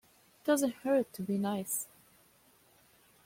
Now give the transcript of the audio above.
It doesn't hurt to be nice.